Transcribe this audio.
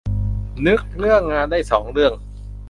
นึกเรื่องงานได้สองเรื่อง